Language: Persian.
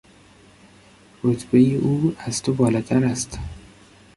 رتبهی او از تو بالاتر است.